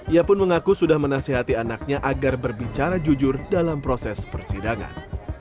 ia pun mengaku sudah menasehati anaknya agar berbicara jujur dalam proses persidangan